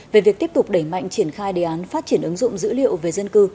về việc tiếp tục đẩy mạnh triển khai đề án phát triển ứng dụng dữ liệu về dân cư